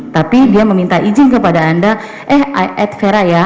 tapi dia meminta izin kepada anda eh i add vera ya